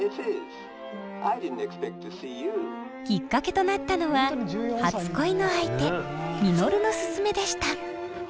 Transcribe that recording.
きっかけとなったのは初恋の相手稔の勧めでした。